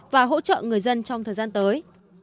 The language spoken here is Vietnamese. và hỗ trợ người dân trong thời gian tới